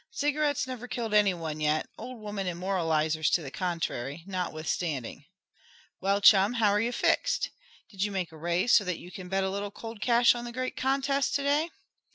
Cigarettes never killed any one yet, old women and moralizers to the contrary, notwithstanding. Well, chum, how are you fixed? Did you make a raise so that you can bet a little cold cash on the great contest to day?